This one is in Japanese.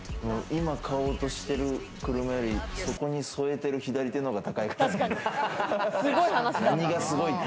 今買おうとしてる車より、そこに添えてる左手のほうが高い。